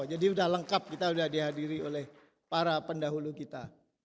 jadi sudah lengkap kita sudah dihadiri oleh para pendahulu kita